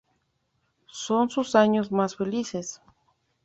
Son sus años más felices.